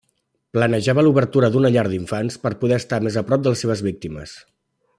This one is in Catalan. Planejava l'obertura d'una llar d'infants per poder estar més prop de les seves víctimes.